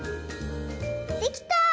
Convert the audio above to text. できた！